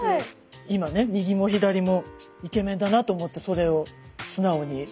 今ね右も左もイケメンだなと思ってそれを素直に書いてみました。